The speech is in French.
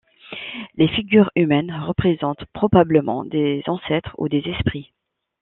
Les figures humaines représentent probablement des ancêtres ou des esprits.